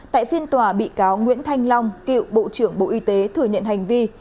tại phiên tòa bị cáo nguyễn thanh long cựu bộ trưởng bộ y tế thừa nhận hành vi